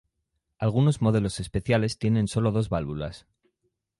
Algunos modelos especiales tienen solo dos válvulas.